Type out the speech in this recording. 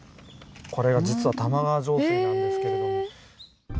これが実は玉川上水なんですけれども。